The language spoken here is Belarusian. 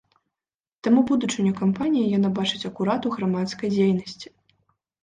Таму будучыню кампаніі яна бачыць акурат у грамадскай дзейнасці.